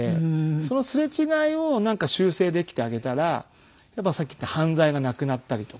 そのすれ違いを修正できてあげたらさっき言った犯罪がなくなったりとか。